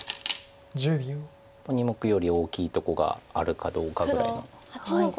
２目より大きいとこがあるかどうかぐらいの。